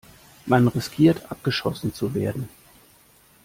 Man riskiert, abgeschossen zu werden.